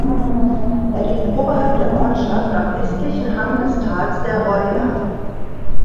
Er liegt oberhalb der Ortschaft am westlichen Hang des Tals der Roya.